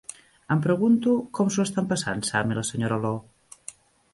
Em pregunto com s'ho estan passant Sam i la senyora Law.